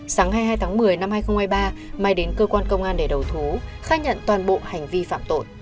sáng hai mươi hai tháng một mươi năm hai nghìn hai mươi ba mai đến cơ quan công an để đầu thú khai nhận toàn bộ hành vi phạm tội